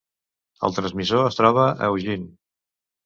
El transmissor es troba a Eugene.